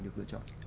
được lựa chọn